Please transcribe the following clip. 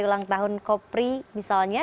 ulang tahun kopri misalnya